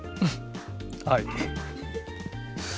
はい。